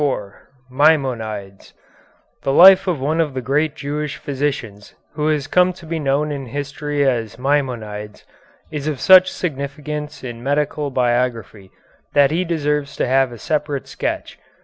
IV MAIMONIDES The life of one of the great Jewish physicians, who has come to be known in history as Maimonides, is of such significance in medical biography that he deserves to have a separate sketch.